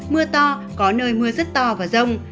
mưa to có nơi mưa rất to và rông